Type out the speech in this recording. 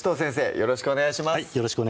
よろしくお願いします